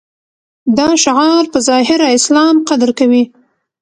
دا شعار په ظاهره اسلام قدر کوي.